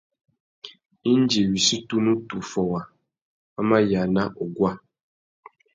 Indi wissú tunu tu fôwa, wa mà yāna uguá.